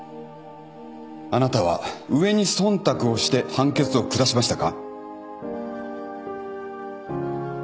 あなたは上に忖度をして判決を下しましたか。